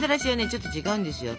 ちょっと違うんですよ。